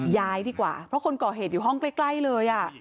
ย้ายดีกว่าเพราะคนก่อเหตุอยู่ห้องใกล้เลย